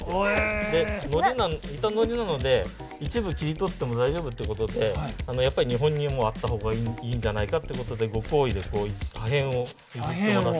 板ノリなので一部切り取っても大丈夫ということでやっぱり日本にもあった方がいいんじゃないかっていうことでご厚意で破片を譲ってもらった。